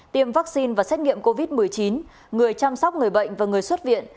tiêm vaccine và xét nghiệm covid một mươi chín người chăm sóc người bệnh và người xuất viện